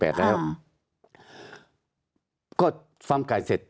ปี๔๘แล้วก็ฟัมไก่เสร็จ